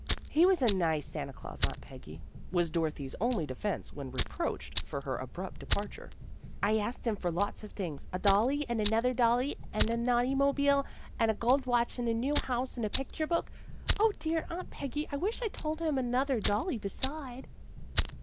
" He was a nice Santa Glaus, Aunt Peggy," was Dorothy's only defence when reproached for her abrupt departure. " I asked him for lots of things, a dolly, and another dolly and a naughty mobeel and a gold watch and a new house and a picture book. O dear! Aunt Peggy* I wish I'd told him another dolly beside."